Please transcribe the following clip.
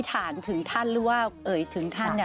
กลางแม่นก็คืออันที่นี่